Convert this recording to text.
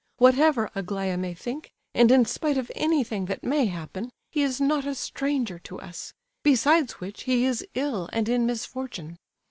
Whatever Aglaya may think, and in spite of anything that may happen, he is not a stranger to us; besides which, he is ill and in misfortune.